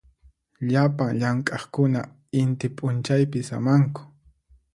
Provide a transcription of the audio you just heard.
Llapan llamk'aqkuna inti p'unchaypi samanku.